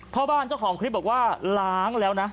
พ่อบ้านเจ้าของคลิปบอกว่าล้างแล้วนะ